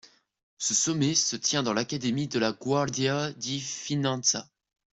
Ce sommet se tient dans l'Académie de la Guardia di Finanza.